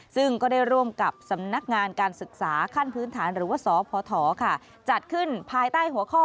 ซึ่งก็ได้ร่วมกับสำนักงานการศึกษาขั้นพื้นฐานหรือว่าสพจัดขึ้นภายใต้หัวข้อ